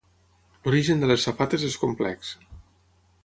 L'origen de les safates és complex.